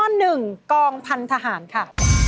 ๑กองพันธหารค่ะ